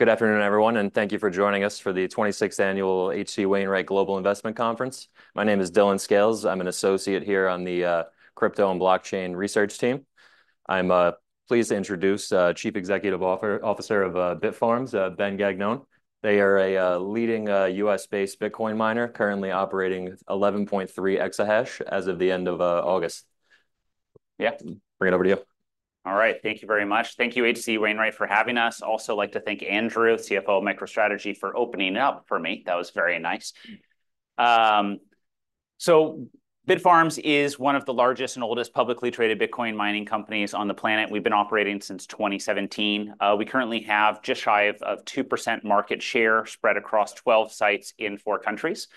Good afternoon, everyone, and thank you for joining us for the 26th Annual H.C. Wainwright Global Investment Conference. My name is Dylan Scales. I'm an associate here on the Crypto and Blockchain research team. I'm pleased to introduce Chief Executive Officer of Bitfarms, Ben Gagnon. They are a leading US-based Bitcoin miner, currently operating 11.3 exahash as of the end of August. Yeah, bring it over to you. All right, thank you very much. Thank you, H.C. Wainwright, for having us. Also like to thank Andrew, CFO of MicroStrategy, for opening up for me. That was very nice. So Bitfarms is one of the largest and oldest publicly traded Bitcoin mining companies on the planet. We've been operating since 2017. We currently have just shy of 2% market share spread across 12 sites in four countries,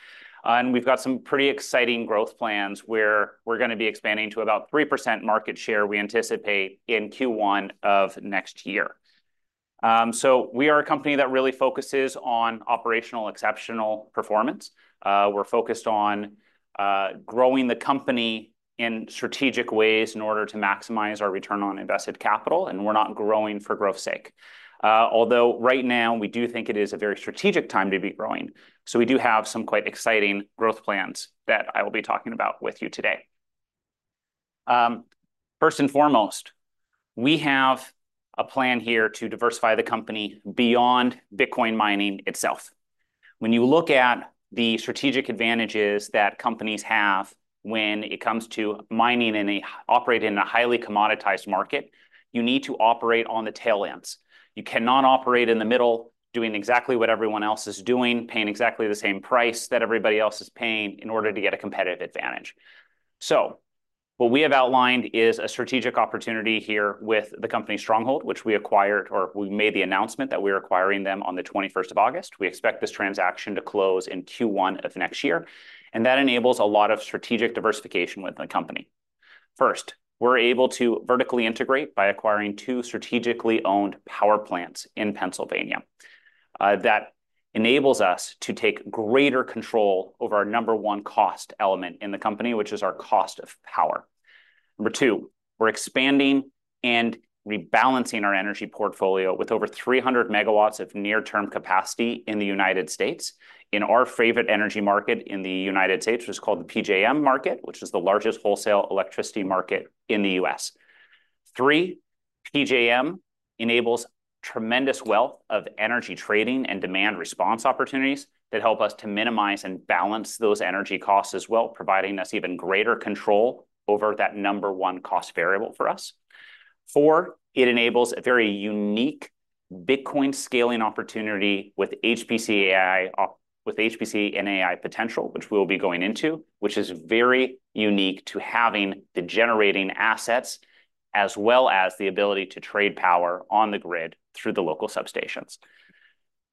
and we've got some pretty exciting growth plans, where we're going to be expanding to about 3% market share, we anticipate, in Q1 of next year, so we are a company that really focuses on operational exceptional performance. We're focused on growing the company in strategic ways in order to maximize our return on invested capital, and we're not growing for growth's sake. Although right now, we do think it is a very strategic time to be growing, so we do have some quite exciting growth plans that I will be talking about with you today. First and foremost, we have a plan here to diversify the company beyond Bitcoin mining itself. When you look at the strategic advantages that companies have when it comes to mining and they operate in a highly commoditized market, you need to operate on the tail ends. You cannot operate in the middle, doing exactly what everyone else is doing, paying exactly the same price that everybody else is paying in order to get a competitive advantage, so what we have outlined is a strategic opportunity here with the company Stronghold, which we acquired, or we made the announcement that we're acquiring them on the 21st of August. We expect this transaction to close in Q1 of next year, and that enables a lot of strategic diversification with the company. First, we're able to vertically integrate by acquiring two strategically owned power plants in Pennsylvania. That enables us to take greater control over our number one cost element in the company, which is our cost of power. Number two, we're expanding and rebalancing our energy portfolio with over 300 megawatts of near-term capacity in the United States, in our favorite energy market in the United States, which is called the PJM market, which is the largest wholesale electricity market in the US. Three, PJM enables tremendous wealth of energy trading and demand response opportunities that help us to minimize and balance those energy costs as well, providing us even greater control over that number one cost variable for us. Four, it enables a very unique Bitcoin scaling opportunity with HPC and AI potential, which we'll be going into, which is very unique to having the generating assets, as well as the ability to trade power on the grid through the local substations.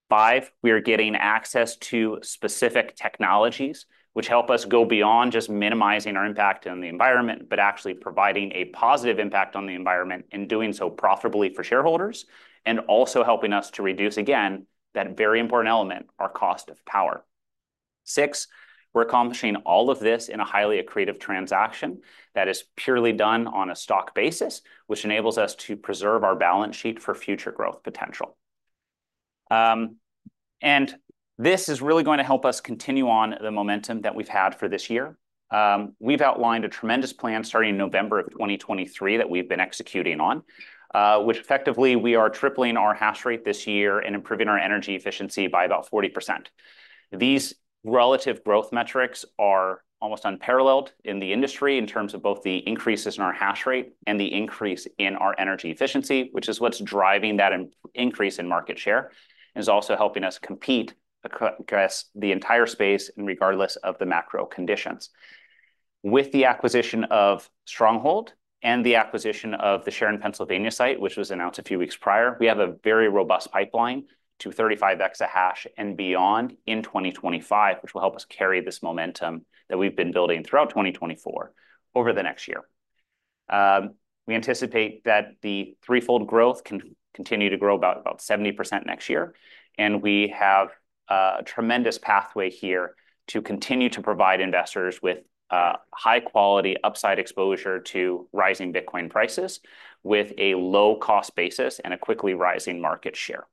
Five, we are getting access to specific technologies, which help us go beyond just minimizing our impact on the environment, but actually providing a positive impact on the environment and doing so profitably for shareholders, and also helping us to reduce, again, that very important element, our cost of power. Six, we're accomplishing all of this in a highly accretive transaction that is purely done on a stock basis, which enables us to preserve our balance sheet for future growth potential, and this is really going to help us continue on the momentum that we've had for this year. We've outlined a tremendous plan starting in November of 2023, that we've been executing on, which effectively we are tripling our hash rate this year and improving our energy efficiency by about 40%. These relative growth metrics are almost unparalleled in the industry in terms of both the increases in our hash rate and the increase in our energy efficiency, which is what's driving that increase in market share, and is also helping us compete across the entire space and regardless of the macro conditions. With the acquisition of Stronghold and the acquisition of the Sharon, Pennsylvania, site, which was announced a few weeks prior, we have a very robust pipeline to 35 exahash and beyond in 2025, which will help us carry this momentum that we've been building throughout 2024 over the next year. We anticipate that the threefold growth can continue to grow about 70% next year, and we have a tremendous pathway here to continue to provide investors with high-quality upside exposure to rising Bitcoin prices, with a low-cost basis and a quickly rising market share.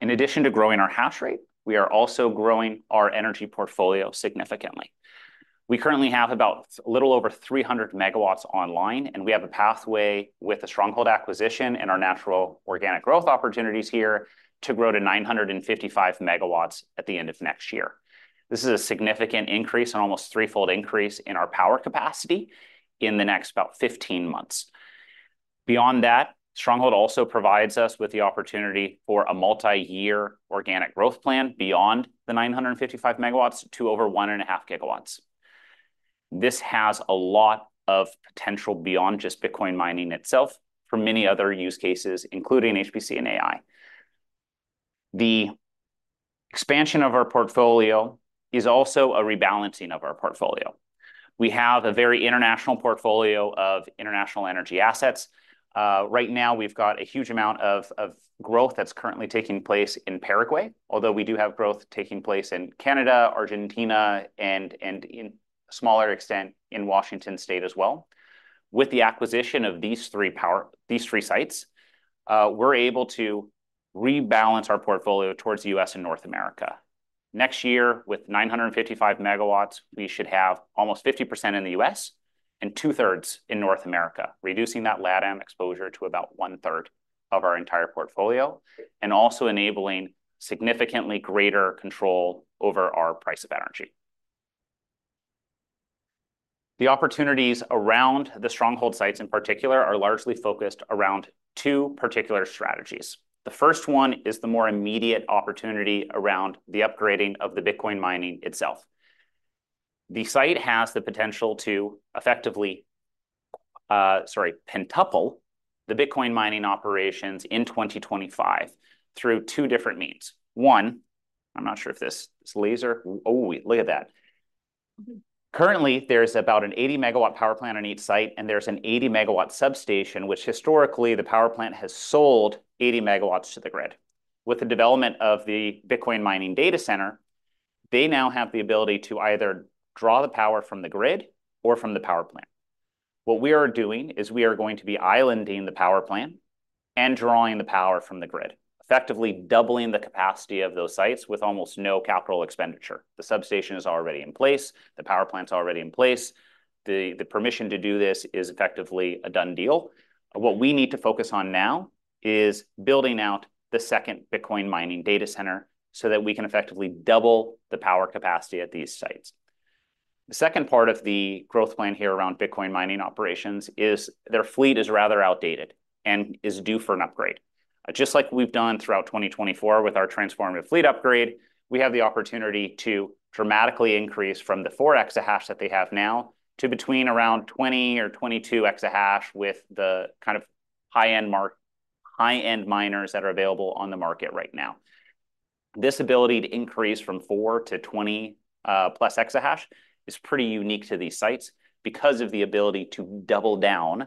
In addition to growing our hash rate, we are also growing our energy portfolio significantly. We currently have a little over 300 megawatts online, and we have a pathway with the Stronghold acquisition and our natural organic growth opportunities here to grow to 955 megawatts at the end of next year. This is a significant increase and almost threefold increase in our power capacity in the next about 15 months. Beyond that, Stronghold also provides us with the opportunity for a multi-year organic growth plan beyond the nine hundred and fifty-five megawatts to over one and a half gigawatts. This has a lot of potential beyond just Bitcoin mining itself for many other use cases, including HPC and AI. The expansion of our portfolio is also a rebalancing of our portfolio. We have a very international portfolio of international energy assets. Right now, we've got a huge amount of growth that's currently taking place in Paraguay, although we do have growth taking place in Canada, Argentina, and in smaller extent, in Washington state as well. With the acquisition of these three sites, we're able to rebalance our portfolio towards the US and North America. Next year, with 955 megawatts, we should have almost 50% in the US and two-thirds in North America, reducing that LatAm exposure to about one-third of our entire portfolio, and also enabling significantly greater control over our price of energy. The opportunities around the Stronghold sites, in particular, are largely focused around two particular strategies. The first one is the more immediate opportunity around the upgrading of the Bitcoin mining itself. The site has the potential to effectively quintuple the Bitcoin mining operations in 2025 through two different means. One, I'm not sure if this is laser. Oh, wait, look at that! Currently, there's about an 80-megawatt power plant on each site, and there's an 80-megawatt substation, which historically, the power plant has sold 80 megawatts to the grid. With the development of the Bitcoin mining data center, they now have the ability to either draw the power from the grid or from the power plant. What we are doing is we are going to be islanding the power plant and drawing the power from the grid, effectively doubling the capacity of those sites with almost no capital expenditure. The substation is already in place, the power plant's already in place. The permission to do this is effectively a done deal. What we need to focus on now is building out the second Bitcoin mining data center so that we can effectively double the power capacity at these sites. The second part of the growth plan here around Bitcoin mining operations is their fleet is rather outdated and is due for an upgrade. Just like we've done throughout 2024 with our transformative fleet upgrade, we have the opportunity to dramatically increase from the four exahash that they have now to between around 20 or 22 exahash with the kind of high-end miners that are available on the market right now. This ability to increase from 4 to 20, plus exahash is pretty unique to these sites because of the ability to double down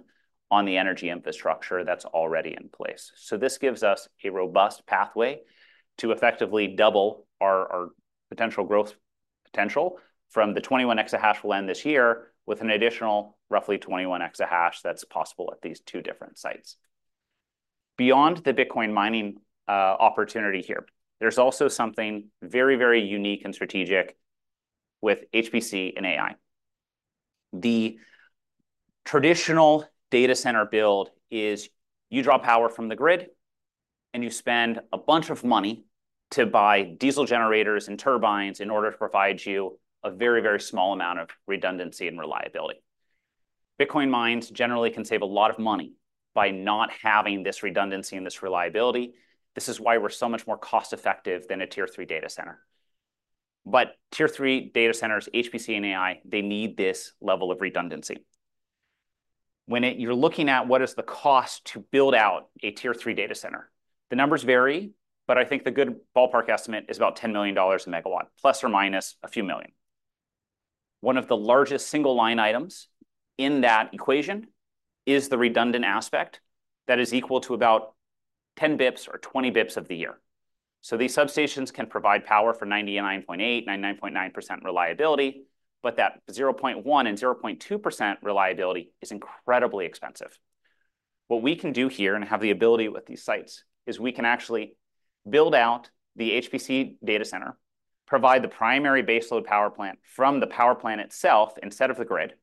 on the energy infrastructure that's already in place. So this gives us a robust pathway to effectively double our potential growth potential from the 21 exahash we'll end this year, with an additional roughly 21 exahash that's possible at these two different sites. Beyond the Bitcoin mining, opportunity here, there's also something very, very unique and strategic with HPC and AI. The traditional data center build is you draw power from the grid, and you spend a bunch of money to buy diesel generators and turbines in order to provide you a very, very small amount of redundancy and reliability. Bitcoin mines generally can save a lot of money by not having this redundancy and this reliability. This is why we're so much more cost-effective than a Tier 3 data center. But Tier 3 data centers, HPC and AI, they need this level of redundancy. When you're looking at what is the cost to build out a Tier 3 data center, the numbers vary, but I think the good ballpark estimate is about $10 million a megawatt, plus or minus a few million. One of the largest single-line items in that equation is the redundant aspect that is equal to about 10 basis points or 20 basis points of the year. So these substations can provide power for 99.8%, 99.9% reliability, but that 0.1% and 0.2% reliability is incredibly expensive. What we can do here, and have the ability with these sites, is we can actually build out the HPC data center, provide the primary base load power plant from the power plant itself instead of the grid.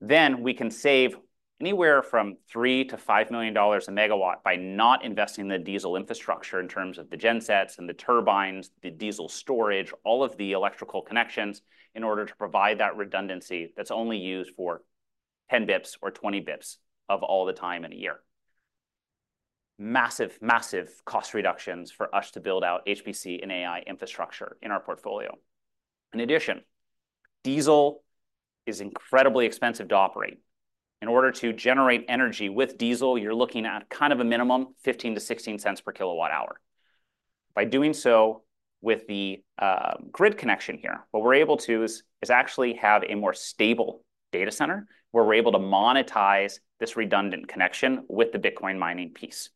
Then we can save anywhere from $3 to 5 million a megawatt by not investing in the diesel infrastructure in terms of the gensets and the turbines, the diesel storage, all of the electrical connections, in order to provide that redundancy that's only used for 10 basis points or 20 basis points of all the time in a year. Massive, massive cost reductions for us to build out HPC and AI infrastructure in our portfolio. In addition, diesel is incredibly expensive to operate. In order to generate energy with diesel, you're looking at kind of a minimum $0.15 to 0.16 per kilowatt-hour. By doing so with the grid connection here, what we're able to is actually have a more stable data center, where we're able to monetize this redundant connection with the Bitcoin mining piece.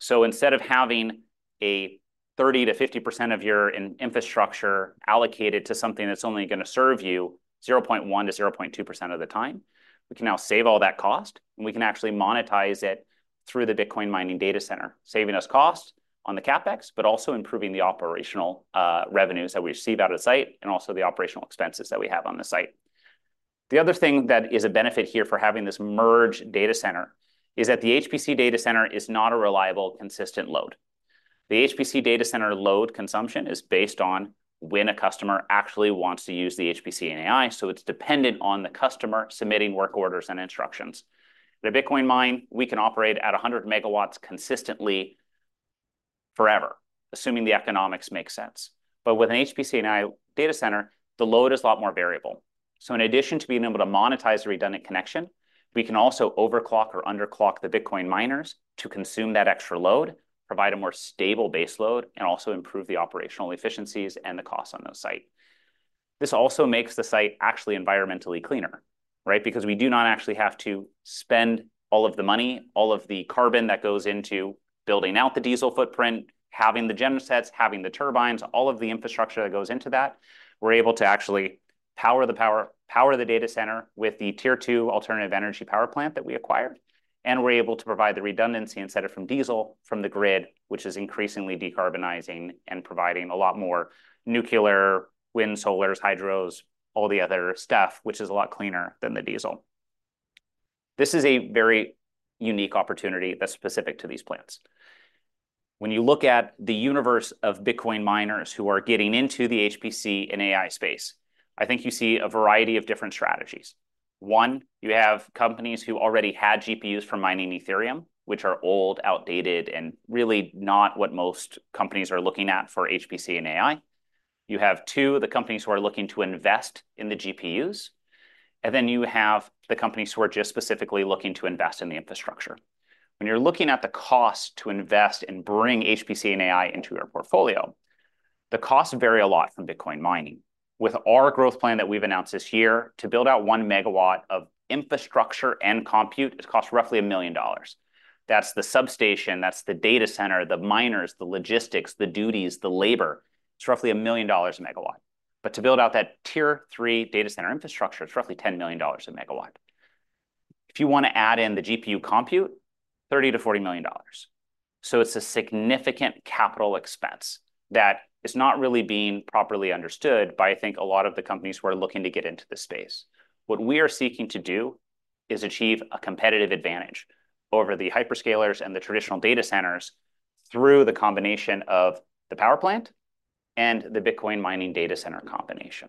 So instead of having a 30% to 50% of your infrastructure allocated to something that's only going to serve you 0.1% to 0.2% of the time, we can now save all that cost, and we can actually monetize it through the Bitcoin mining data center, saving us costs on the CapEx, but also improving the operational revenues that we receive out of the site, and also the operational expenses that we have on the site. The other thing that is a benefit here for having this merge data center is that the HPC data center is not a reliable, consistent load. The HPC data center load consumption is based on when a customer actually wants to use the HPC and AI, so it's dependent on the customer submitting work orders and instructions. The Bitcoin mine, we can operate at 100 megawatts consistently forever, assuming the economics make sense. But with an HPC and AI data center, the load is a lot more variable. So in addition to being able to monetize the redundant connection, we can also overclock or underclock the Bitcoin miners to consume that extra load, provide a more stable base load, and also improve the operational efficiencies and the costs on those sites. This also makes the site actually environmentally cleaner, right? Because we do not actually have to spend all of the money, all of the carbon that goes into building out the diesel footprint, having the gen sets, having the turbines, all of the infrastructure that goes into that, we're able to actually power the data center with the Tier 2 alternative energy power plant that we acquired, and we're able to provide the redundancy instead of from diesel from the grid, which is increasingly decarbonizing and providing a lot more nuclear, wind, solars, hydros, all the other stuff, which is a lot cleaner than the diesel. This is a very unique opportunity that's specific to these plants. When you look at the universe of Bitcoin miners who are getting into the HPC and AI space, I think you see a variety of different strategies. One, you have companies who already had GPUs from mining Ethereum, which are old, outdated, and really not what most companies are looking at for HPC and AI. You have, two, the companies who are looking to invest in the GPUs, and then you have the companies who are just specifically looking to invest in the infrastructure. When you're looking at the cost to invest and bring HPC and AI into your portfolio, the costs vary a lot from Bitcoin mining. With our growth plan that we've announced this year, to build out one megawatt of infrastructure and compute, it costs roughly $1 million. That's the substation, that's the data center, the miners, the logistics, the duties, the labor. It's roughly $1 million a megawatt. But to build out that Tier 3 data center infrastructure, it's roughly $10 million a megawatt. If you want to add in the GPU compute, $30 to 40 million. So it's a significant capital expense that is not really being properly understood by, I think, a lot of the companies who are looking to get into this space. What we are seeking to do is achieve a competitive advantage over the hyperscalers and the traditional data centers through the combination of the power plant and the Bitcoin mining data center combination.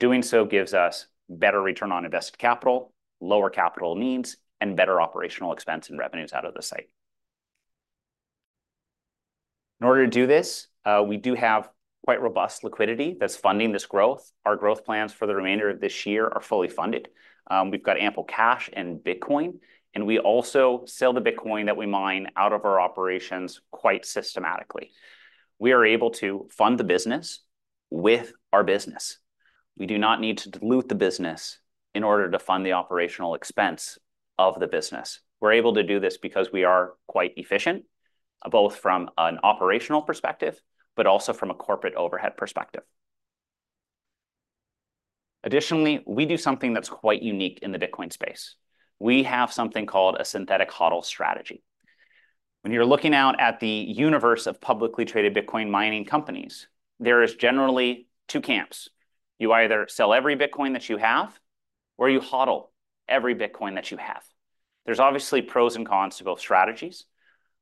Doing so gives us better return on invested capital, lower capital needs, and better operational expense and revenues out of the site. In order to do this, we do have quite robust liquidity that's funding this growth. Our growth plans for the remainder of this year are fully funded. We've got ample cash and Bitcoin, and we also sell the Bitcoin that we mine out of our operations quite systematically. We are able to fund the business with our business. We do not need to dilute the business in order to fund the operational expense of the business. We're able to do this because we are quite efficient, both from an operational perspective, but also from a corporate overhead perspective. Additionally, we do something that's quite unique in the Bitcoin space. We have something called a synthetic HODL strategy. When you're looking out at the universe of publicly traded Bitcoin mining companies, there is generally two camps: you either sell every Bitcoin that you have, or you HODL every Bitcoin that you have. There's obviously pros and cons to both strategies,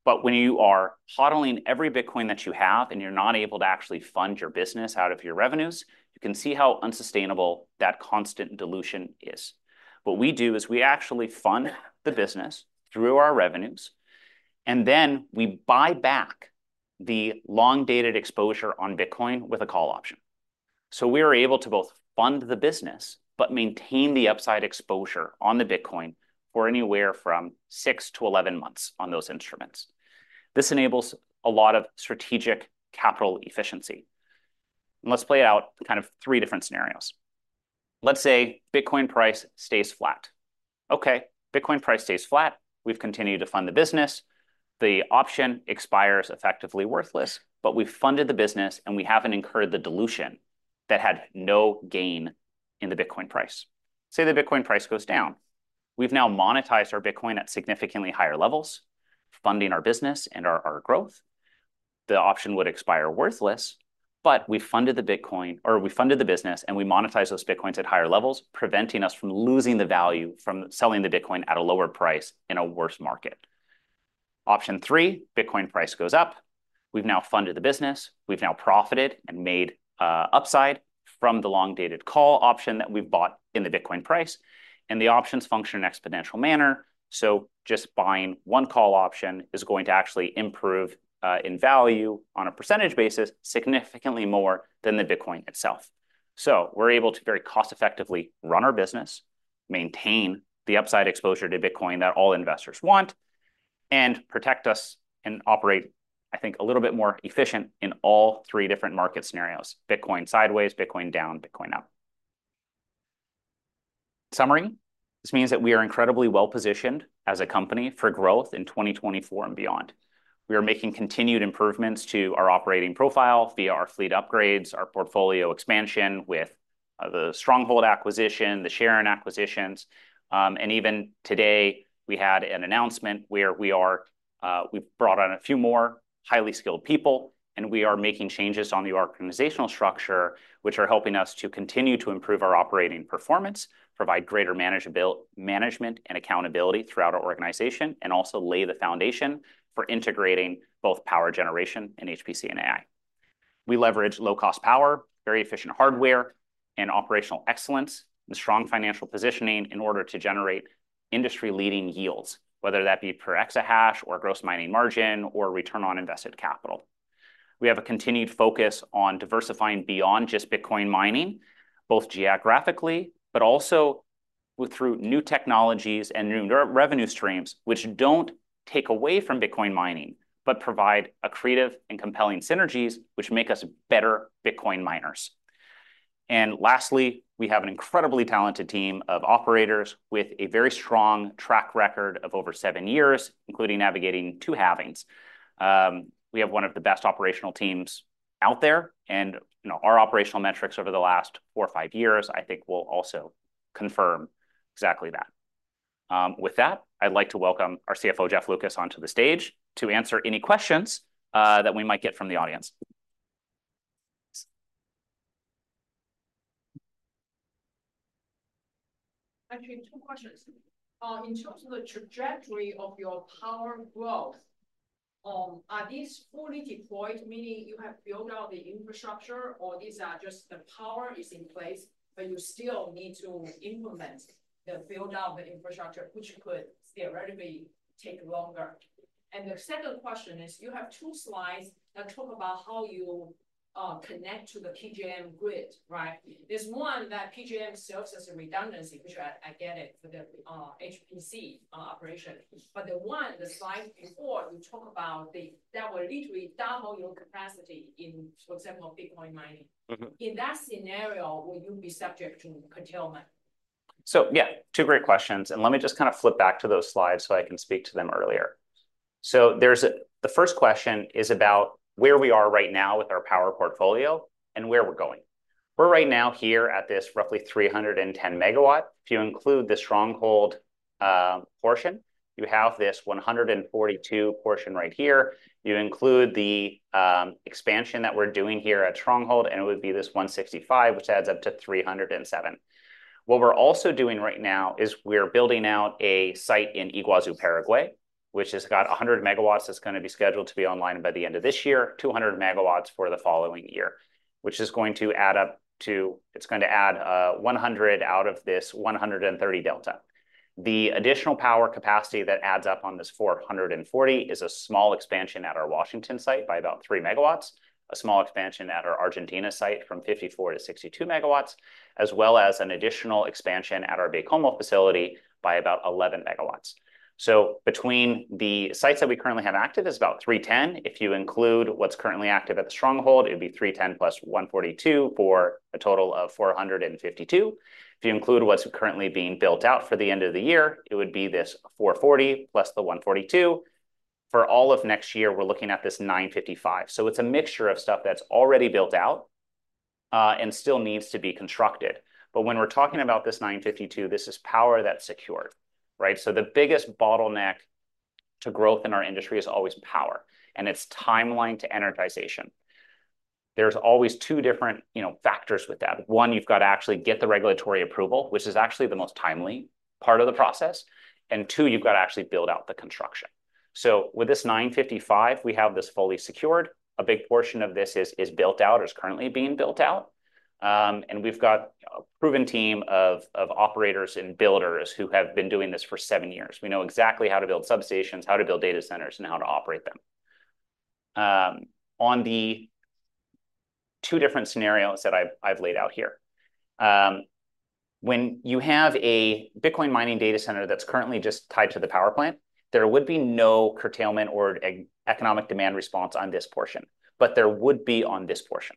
but when you are HODLing every Bitcoin that you have, and you're not able to actually fund your business out of your revenues, you can see how unsustainable that constant dilution is. What we do is we actually fund the business through our revenues, and then we buy back the long-dated exposure on Bitcoin with a call option. So, we are able to both fund the business but maintain the upside exposure on the Bitcoin for anywhere from six to 11 months on those instruments. This enables a lot of strategic capital efficiency. Let's play it out in kind of three different scenarios. Let's say Bitcoin price stays flat. Okay, Bitcoin price stays flat, we've continued to fund the business. The option expires effectively worthless, but we've funded the business, and we haven't incurred the dilution that had no gain in the Bitcoin price. Say, the Bitcoin price goes down. We've now monetized our Bitcoin at significantly higher levels, funding our business and our, our growth. The option would expire worthless, but we funded the Bitcoin, or we funded the business, and we monetize those Bitcoins at higher levels, preventing us from losing the value from selling the Bitcoin at a lower price in a worse market. Option three, Bitcoin price goes up. We've now funded the business. We've now profited and made upside from the long-dated call option that we've bought in the Bitcoin price, and the options function in an exponential manner, so just buying one call option is going to actually improve in value on a percentage basis, significantly more than the Bitcoin itself, so we're able to very cost effectively run our business, maintain the upside exposure to Bitcoin that all investors want, and protect us and operate, I think, a little bit more efficient in all three different market scenarios: Bitcoin sideways, Bitcoin down, Bitcoin up. Summary, this means that we are incredibly well-positioned as a company for growth in twenty twenty-four and beyond. We are making continued improvements to our operating profile via our fleet upgrades, our portfolio expansion with the Stronghold acquisition, the Sharon acquisitions, and even today, we had an announcement where we are, we've brought on a few more highly skilled people, and we are making changes on the organizational structure, which are helping us to continue to improve our operating performance, provide greater management and accountability throughout our organization, and also lay the foundation for integrating both power generation and HPC and AI. We leverage low-cost power, very efficient hardware, and operational excellence, and strong financial positioning in order to generate industry-leading yields, whether that be per exahash or gross mining margin, or return on invested capital. We have a continued focus on diversifying beyond just Bitcoin mining, both geographically, but also through new technologies and new revenue streams, which don't take away from Bitcoin mining, but provide accretive and compelling synergies which make us better Bitcoin miners, and lastly, we have an incredibly talented team of operators with a very strong track record of over seven years, including navigating two halvings. We have one of the best operational teams out there, and, you know, our operational metrics over the last four or five years, I think, will also confirm exactly that. With that, I'd like to welcome our CFO, Jeff Lucas, onto the stage to answer any questions that we might get from the audience. Actually, two questions. In terms of the trajectory of your power growth, are these fully deployed, meaning you have built out the infrastructure, or these are just the power is in place, but you still need to implement the build out of the infrastructure, which could theoretically take longer? And the second question is, you have two slides that talk about how you connect to the PJM grid, right? There's one that PJM serves as a redundancy, which I get it for the HPC operation. But the one, the slide before, you talk about that will literally double your capacity in, for example, Bitcoin mining. Mm-hmm. In that scenario, will you be subject to curtailment? So yeah, two great questions, and let me just kind of flip back to those slides so I can speak to them earlier. So, there's a, the first question is about where we are right now with our power portfolio and where we're going. We're right now here at this roughly 300 megawatts. If you include the Stronghold portion, you have this 142 portion right here. You include the expansion that we're doing here at Stronghold, and it would be this 165, which adds up to 307. What we're also doing right now is we're building out a site in Yguazu, Paraguay, which has got 100 megawatts. That's going to be scheduled to be online by the end of this year, 200 megawatts for the following year, which is going to add up to. It's going to add one hundred out of this one hundred and thirty delta. The additional power capacity that adds up on this 440 is a small expansion at our Washington site by about 3 megawatts, a small expansion at our Argentina site from 54 to 62 megawatts, as well as an additional expansion at our Baie-Comeau facility by about 11 megawatts. So between the sites that we currently have active, it's about 310. If you include what's currently active at the Stronghold, it'd be 310 plus 142, for a total of 452. If you include what's currently being built out for the end of the year, it would be this 440 plus the 142. For all of next year, we're looking at this 955. So it's a mixture of stuff that's already built out, and still needs to be constructed. But when we're talking about this 952, this is power that's secured, right? So the biggest bottleneck to growth in our industry is always power, and it's timeline to energization. There's always two different, you know, factors with that. One, you've got to actually get the regulatory approval, which is actually the most timely part of the process, and two, you've got to actually build out the construction. So, with this 955, we have this fully secured. A big portion of this is built out or is currently being built out. And we've got a proven team of operators and builders who have been doing this for seven years. We know exactly how to build substations, how to build data centers, and how to operate them. On the two different scenarios that I've laid out here, when you have a Bitcoin mining data center that's currently just tied to the power plant, there would be no curtailment or economic demand response on this portion, but there would be on this portion,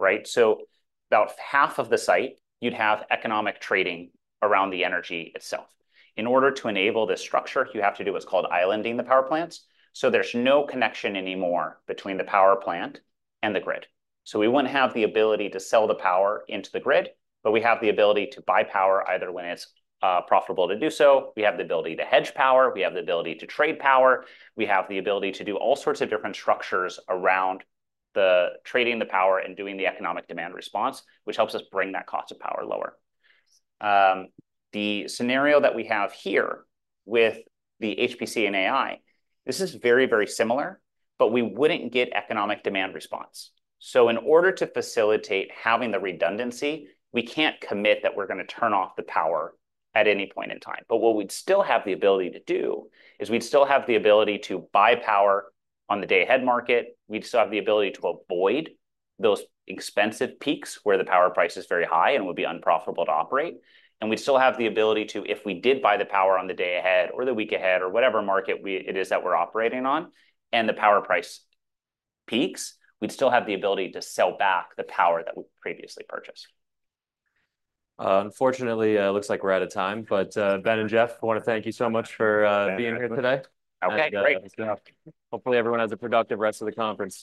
right? So about half of the site, you'd have economic trading around the energy itself. In order to enable this structure, you have to do what's called islanding the power plants, so there's no connection anymore between the power plant and the grid. So we wouldn't have the ability to sell the power into the grid, but we have the ability to buy power either when it's profitable to do so, we have the ability to hedge power, we have the ability to trade power, we have the ability to do all sorts of different structures around the trading the power and doing the economic demand response, which helps us bring that cost of power lower. The scenario that we have here with the HPC and AI, this is very, very similar, but we wouldn't get economic demand response. So in order to facilitate having the redundancy, we can't commit that we're going to turn off the power at any point in time. But what we'd still have the ability to do is we'd still have the ability to buy power on the Day-Ahead Market. We'd still have the ability to avoid those expensive peaks, where the power price is very high and would be unprofitable to operate. And we'd still have the ability to, if we did buy the power on the day ahead or the week ahead or whatever market it is that we're operating on, and the power price peaks, we'd still have the ability to sell back the power that we previously purchased. Unfortunately, it looks like we're out of time. But, Ben and Jeff, I want to thank you so much for being here today. Okay, great. Hopefully, everyone has a productive rest of the conference.